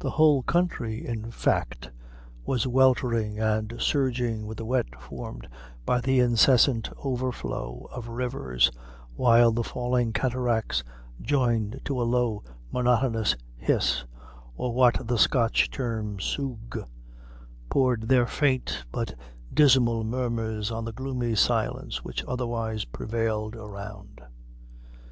The whole country, in fact, was weltering and surging with the wet formed by the incessant overflow of rivers, while the falling cataracts, joined to a low monotonous hiss, or what the Scotch term sugh, poured their faint but dismal murmurs on the gloomy silence which otherwise prevailed around.